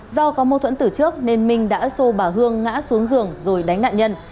do có mâu thuẫn từ trước nên minh đã xô bà hương ngã xuống giường rồi đánh nạn nhân